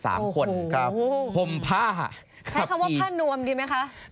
ผมผ้าขับขี่ใช้คำว่าผ้านวมดีไหมคะ